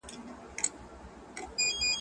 زه منکر نه یمه احسان یې د راتللو منم.